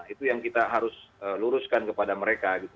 itu yang kita harus luruskan kepada mereka gitu